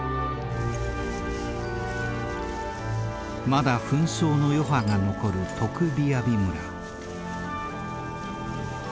まだ紛争の余波が残るトクビアビ村。